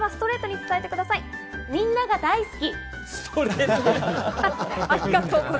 みんなが大好き。